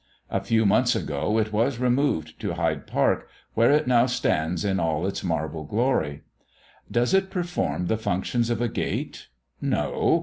A few months ago, it was removed to Hyde Park, where it now stands in all its marble glory. Does it perform the functions of a gate? No!